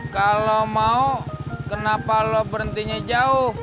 kalau mau kenapa lo berhentinya jauh